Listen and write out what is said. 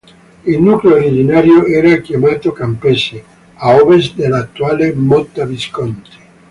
Il nucleo originario era chiamato Campese, a ovest dell'attuale Motta Visconti.